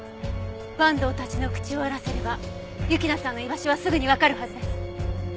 坂東たちの口を割らせれば雪菜さんの居場所はすぐにわかるはずです。